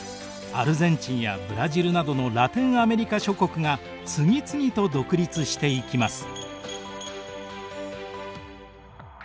アルゼンチンやブラジルなどのラテンアメリカ諸国が次々と独立していきます。